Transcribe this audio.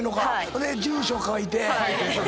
ほんで住所書いて。